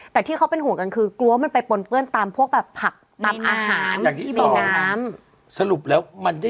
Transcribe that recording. แต่ที่เขาเป็นห่วงกันคือกลัว